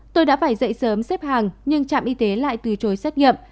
tôi đã phải dậy sớm xếp hàng nhưng trạm y tế lại từ chối xét nghiệm